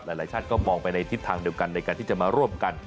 หลายชาติก็มองไปในทิศทางเดียวกันในการที่จะมาร่วมกัน